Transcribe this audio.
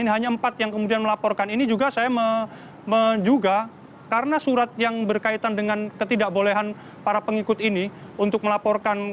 hanya empat yang kemudian melaporkan ini juga saya menduga karena surat yang berkaitan dengan ketidakbolehan para pengikut ini untuk melaporkan